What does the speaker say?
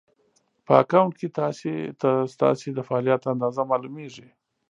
په اکونټ کې ناسې ته ستاسې د فعالیت اندازه مالومېږي